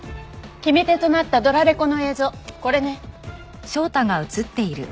決め手となったドラレコの映像これね。